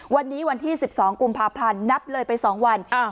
วันนี้วันที่๑๒กุมภาพันธ์นับเลยไป๒วัน